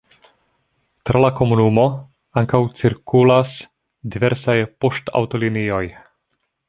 Tra la komunumo ankaŭ cirkulas diversaj poŝtaŭtolinioj.